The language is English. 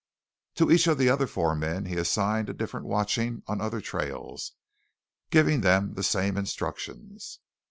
To each of the other four men he assigned a different watching on other trails, giving them the same instructions.